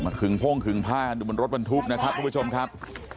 มันขึ้งโพ้งขึ้งพ่ามันรถบนทุกข์นะครับผู้ชมครับ